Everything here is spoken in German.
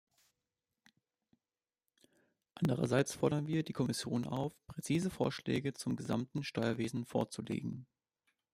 Andererseits fordern wir die Kommission auf, präzise Vorschläge zum gesamten Steuerwesen vorzulegen.